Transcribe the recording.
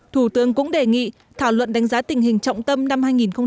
thủ tướng cũng đề nghị thảo luận đánh giá tình hình trọng tâm năm hai nghìn một mươi tám